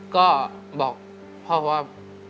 ก็บอกพ่อว่า